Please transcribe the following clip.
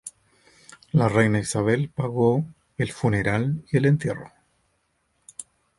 La reina Isabel pagó el funeral y el entierro.